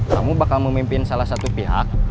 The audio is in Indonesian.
kamu bakal memimpin salah satu pihak